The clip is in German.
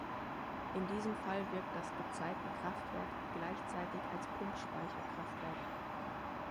In diesem Fall wirkt das Gezeitenkraftwerk gleichzeitig als Pumpspeicherkraftwerk.